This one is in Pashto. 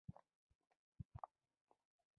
سلواغه کې د واورې ټيټی زیات لیدل کیږي.